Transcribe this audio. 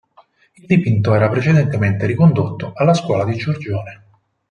Il dipinto era precedentemente ricondotto alla scuola di Giorgione.